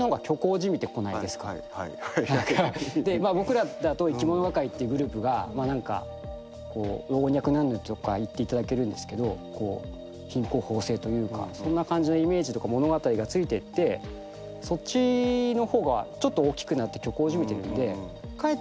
まあ僕らだといきものがかりっていうグループがまあ何か老若男女とか言っていただけるんですけどこう品行方正というかそんな感じのイメージとか物語が付いてってそっちの方がちょっと大きくなって虚構じみてるんでかえって。